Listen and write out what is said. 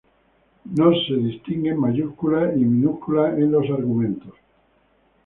Nos se distinguen mayúsculas y minúsculas en los argumentos.